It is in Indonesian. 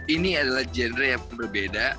ini adalah genre yang berbeda